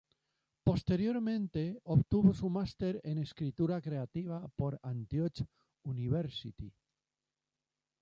Posteriormente, obtuvo su máster en escritura creativa por Antioch University.